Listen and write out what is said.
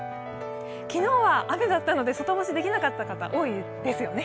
昨日は雨だったので、外干しできなかった方、多いですよね。